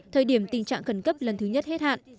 thời điểm tình trạng khẩn cấp lần thứ nhất hết hạn